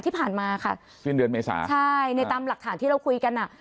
ที่ผ่านมาค่ะสิ้นเดือนเมษาใช่ในตามหลักฐานที่เราคุยกันอ่ะ